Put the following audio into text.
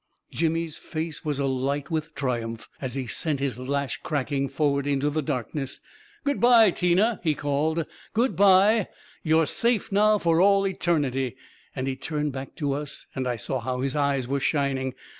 Jimmy's face was alight with triumph, as he sent his lash cracking forward into the darkness. " Good bye, Tina !" he called. u Good bye — you're safe now for all eternity!" and he turned back to us, and I saw how his eyes were shining.